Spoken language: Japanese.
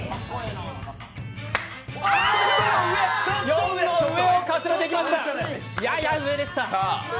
４の上をかすめていきましたやや上でした。